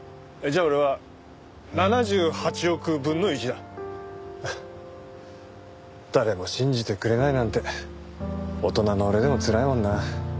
じゃあ俺は７８億分の１だ。誰も信じてくれないなんて大人の俺でもつらいもんな。